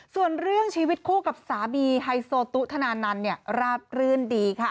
ส่วนเรื่องชีวิตคู่กับสามีไฮโซตุธนานันเนี่ยราบรื่นดีค่ะ